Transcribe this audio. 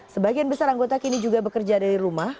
sebagian besar anggota kini juga bekerja dari rumah